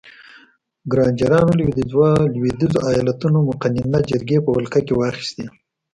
ګرانجرانو لوېدیځو ایالتونو مقننه جرګې په ولکه کې واخیستې.